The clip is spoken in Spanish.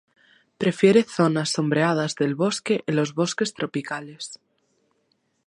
Prefiere zonas sombreadas del bosque en los bosques tropicales.